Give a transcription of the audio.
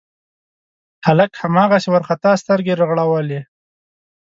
هلک هماغسې وارخطا سترګې رغړولې.